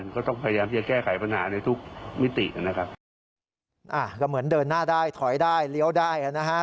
ก็เหมือนเดินหน้าได้ถอยได้เลี้ยวได้นะครับ